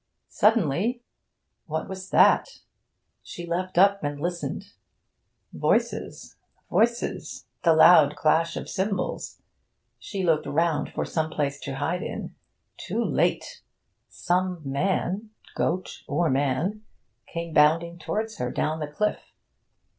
Suddenly what was that? she leapt up and listened. Voices, voices, the loud clash of cymbals! She looked round for some place to hide in. Too late! Some man (goat or man) came bounding towards her down the cliff.